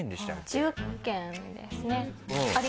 １０件ですね。